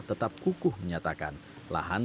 tetap kukuh menyatakan